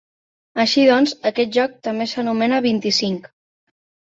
Així doncs, aquest joc també s'anomena "Vint-i-cinc".